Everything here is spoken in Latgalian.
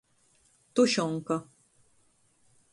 Tušonka.